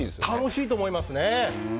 楽しいと思いますね。